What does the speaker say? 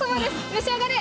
召し上がれ。